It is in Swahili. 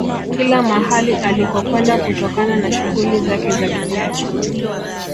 Kila mahali alikokwenda kutokana na shughuli zake za kisiasa